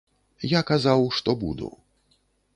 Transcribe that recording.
Я казаў, што буду!